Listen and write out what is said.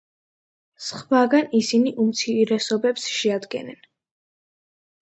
სხვაგან ისინი უმცირესობებს შეადგენენ.